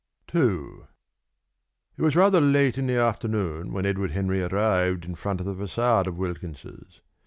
II. It was rather late in the afternoon when Edward Henry arrived in front of the façade of Wilkins's.